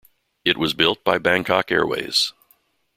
It was built by Bangkok Airways.